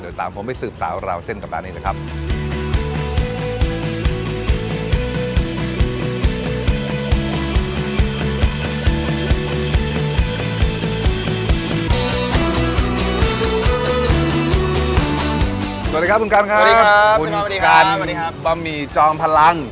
สวัสดีครับอุณกันครับอุณกันบะหมี่จอมพลัง